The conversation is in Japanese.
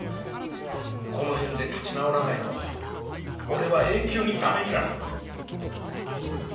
この辺で立ち直らないとおれは永久にダメになる！